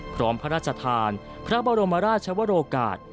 พร้อมพระราชฐานพระบรมราชวโรกาศ